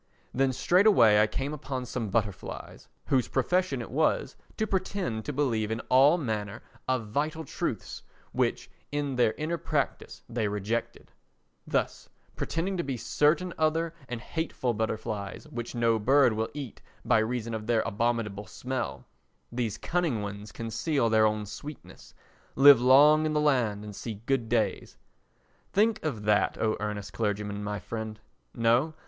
Then straightway I came upon some butterflies whose profession it was to pretend to believe in all manner of vital truths which in their inner practice they rejected; thus, pretending to be certain other and hateful butterflies which no bird will eat by reason of their abominable smell, these cunning ones conceal their own sweetness, live long in the land and see good days. Think of that, O Earnest Clergyman, my friend! No.